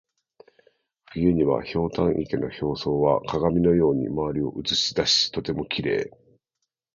冬には、ひょうたん池の表層は鏡のように周りを写し出しとてもきれい。